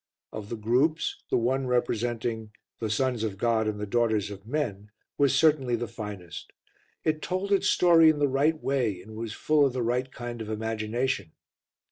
Of the groups, the one representing The Sons of God and the Daughters of Men was certainly the finest. It told its story in the right way and was full of the right kind of imagination.